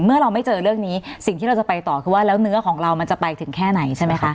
เราไม่เจอเรื่องนี้สิ่งที่เราจะไปต่อคือว่าแล้วเนื้อของเรามันจะไปถึงแค่ไหนใช่ไหมคะ